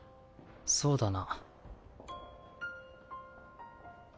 そうだな。